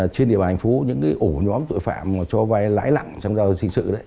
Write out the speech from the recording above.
trên địa bàn hành phố những ổ nhóm tội phạm cho vai lãi nặng trong giao dịch dân sự